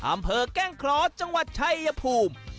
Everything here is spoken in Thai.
อำเภอกแก้งขลอจังหวัดใชยภูมิ